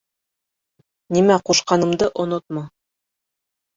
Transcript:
Нимә ҡушҡанымды онотма.